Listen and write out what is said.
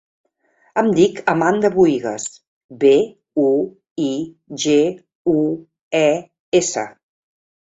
Em dic Amanda Buigues: be, u, i, ge, u, e, essa.